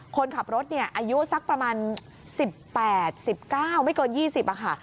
คนขับรถอายุสักประมาณ๑๘๑๙ไม่เกิน๒๐ค่ะ